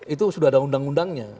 itu sudah ada undang undangnya